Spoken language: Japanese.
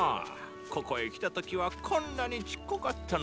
ここへ来た時はこんなに小っこかったのに。